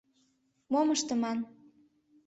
Мом ыштыман.